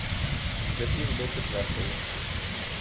Вже пів до четвертої.